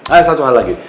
ah satu hal lagi